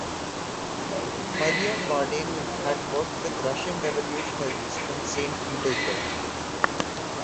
Mariam Vardanian had worked with Russian revolutionaries in Saint Petersburg.